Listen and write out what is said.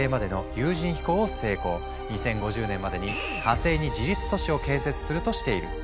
２０５０年までに火星に自立都市を建設するとしている。